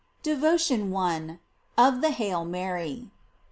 DEVOTION I.— OF THE "HAIL MARY."